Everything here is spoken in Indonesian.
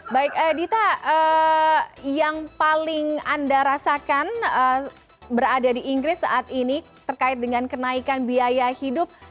baik dita yang paling anda rasakan berada di inggris saat ini terkait dengan kenaikan biaya hidup